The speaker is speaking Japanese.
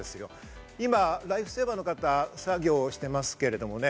今、ライフセーバーの方が作業していますけれども。